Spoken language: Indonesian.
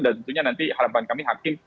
dan tentunya nanti harapan kami hakim